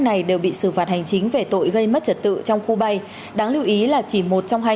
này đều bị xử phạt hành chính về tội gây mất trật tự trong khu bay đáng lưu ý là chỉ một trong hai